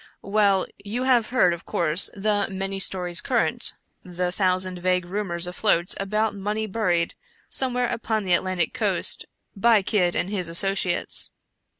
" Well ; you have heard, of course, the many stories current — the thousand vague rumors afloat about money buried, somewhere upon the Atlantic coast, by Kidd and his associates.